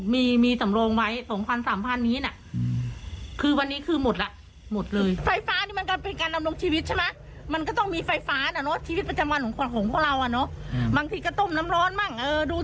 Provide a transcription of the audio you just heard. ไม่เดินไม่เดินไม่พูดไม่เดินพัฒนาการทั้งทั้งทั้งทั้งหน้าสมอง